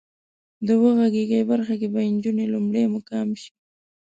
د وغږېږئ برخه کې به انجونې لومړی مقام شي.